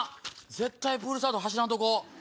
絶対プールサイド走らんとこう。